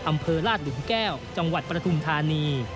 อำเภอลาดหลุมแก้วจังหวัดปฐุมธานี